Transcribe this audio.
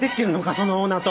そのオーナーと。